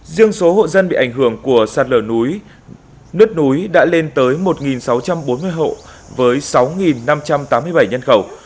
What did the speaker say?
dương số hộ dân bị ảnh hưởng của sạt lở núi đã lên tới một sáu trăm bốn mươi hộ với sáu năm trăm tám mươi bảy nhân khẩu